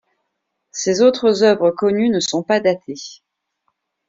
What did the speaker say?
Ses autres œuvres connues ne sont pas datées.